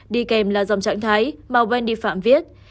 đi kèm là dòng trạng thái mà wendy phạm viết